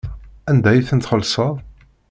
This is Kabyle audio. Anda ay ten-txellṣeḍ?